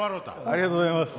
ありがとうございます。